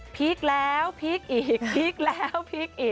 พีกแล้วพีกอีกพีกแล้วพีกอีก